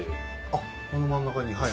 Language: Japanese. あっこの真ん中に。